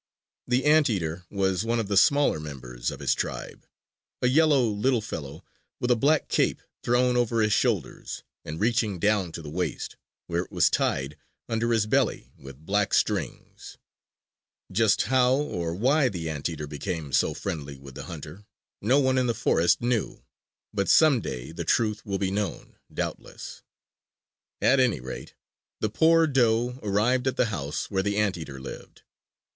The Anteater was one of the smaller members of his tribe a yellow little fellow with a black cape thrown over his shoulders and reaching down to the waist, where it was tied under his belly with black strings. Just how or why the Anteater became so friendly with the hunter, no one in the forest knew; but some day the truth will be known, doubtless. At any rate, the poor doe arrived at the house where the Anteater lived.